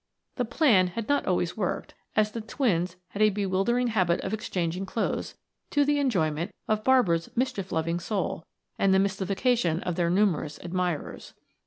The plan had not always worked as the twins had a bewildering habit of exchanging clothes, to the enjoyment of Barbara's mischief loving soul, and the mystification of their numerous admirers.